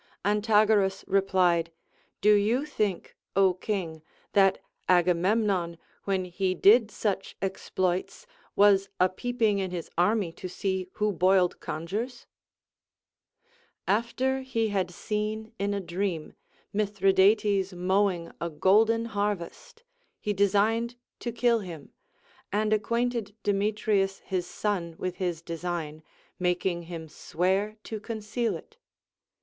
An tagoras replied: Do you think, Ο King, that Agamemnon, when he did such exploits, was a peeping in his army to see Λνΐιο boiled congers % After he had seen in a dream Mithridates mowing a golden harvest, he designed to kill him, and acquainted Demetrius his son with his design, making him swear to conceal it.